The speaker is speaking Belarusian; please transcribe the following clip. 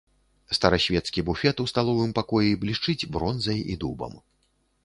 Старасвецкі буфет у сталовым пакоі блішчыць бронзай і дубам.